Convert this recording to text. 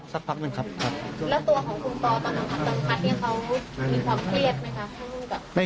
ที่เกิดขึ้นทั้งหมด